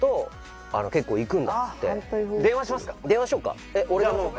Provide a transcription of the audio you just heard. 電話しようか？